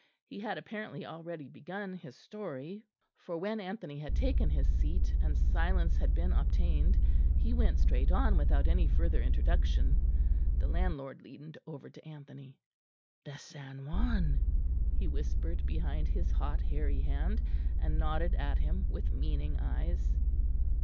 He had apparently already begun his story, for when Anthony had taken his seat and silence had been obtained, he went straight on without any further introduction. The landlord leaned over to Anthony. "The San Juan," he whispered behind his hot hairy hand, and nodded at him with meaning eyes.